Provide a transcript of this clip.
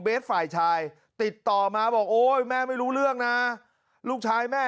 ฝ่ายชายติดต่อมาบอกโอ๊ยแม่ไม่รู้เรื่องนะลูกชายแม่